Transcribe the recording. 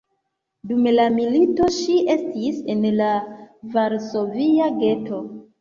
Dum la milito ŝi estis en la Varsovia geto.